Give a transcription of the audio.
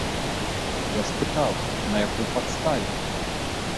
Я спытаў, на якой падставе.